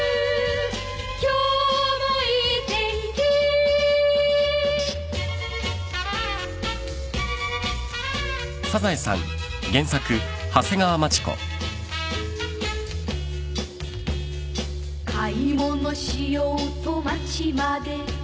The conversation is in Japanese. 「今日もいい天気」「買い物しようと街まで」